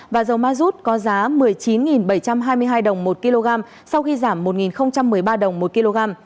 và dầu ma rút có giá một mươi chín bảy trăm hai mươi hai đồng một kg sau khi giảm một một mươi ba đồng một kg